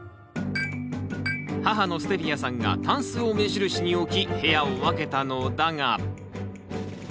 母のステビアさんがタンスを目印に置き部屋を分けたのだが。